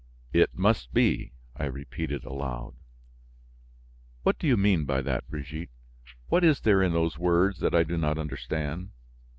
"It must be!" I repeated aloud. "What do you mean by that, Brigitte? What is there in those words that I do not understand?